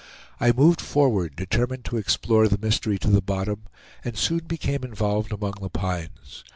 I moved forward, determined to explore the mystery to the bottom, and soon became involved among the pines.